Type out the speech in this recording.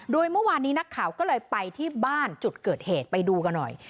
โดยเมื่อวานนี้นักข่าวก็เลยไปที่บ้านจุดเกิดเหตุไปดูกันหน่อย